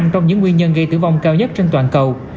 một trong những nguyên nhân gây tử vong cao nhất trên toàn cầu